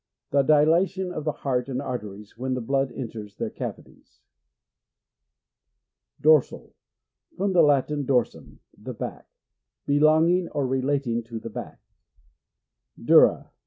The dilatation of the heart and arteries when the blood enters their cavities. Dorsal. — From the Latin, dorsum, the back. Belonging or relating to the back. Dura.